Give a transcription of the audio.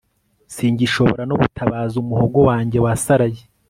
singishobora no gutabaza, umuhogo wanjye wasaraye